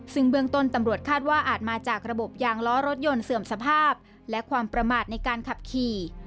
ซึ่งเบื้องต้นตำรวจคาดว่าอาจมาจากระบบยางล้อรถยนต์เสื่อมสภาพและความประมาทในการขับขี่